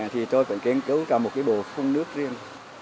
thì tôi cần kiến cứu ra một cái bồ phun nước riêng